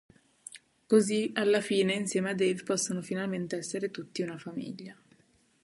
Così alla fine insieme a Dave possono finalmente essere tutti una famiglia.